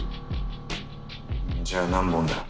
じゃあ何本だよ？